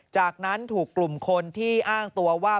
จากนั้นถูกกลุ่มคนที่อ้างตัวว่า